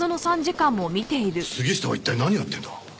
杉下は一体何やってんだ？